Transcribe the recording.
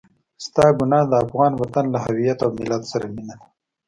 ستا ګناه د افغان وطن له هويت او ملت سره مينه ده.